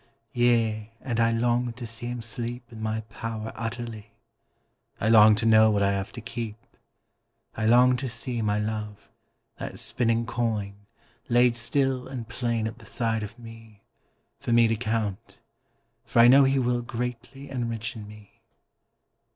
Yea and I long to see him sleep In my power utterly, I long to know what I have to keep, I long to see My love, that spinning coin, laid still And plain at the side of me, For me to count for I know he will Greatly enrichen me.